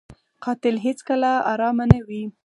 قاتل هېڅکله ارامه نه وي